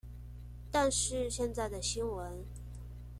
但是現在的新聞